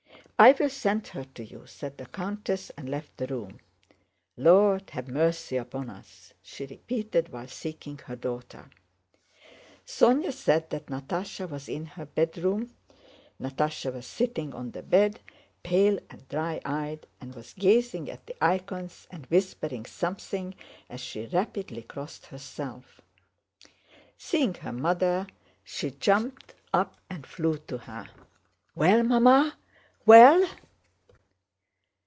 "I will send her to you," said the countess, and left the room. "Lord have mercy upon us!" she repeated while seeking her daughter. Sónya said that Natásha was in her bedroom. Natásha was sitting on the bed, pale and dry eyed, and was gazing at the icons and whispering something as she rapidly crossed herself. Seeing her mother she jumped up and flew to her. "Well, Mamma?... Well?..."